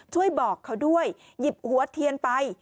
ช่วยบอกเขาด้วยหยิบหัวเทียนไป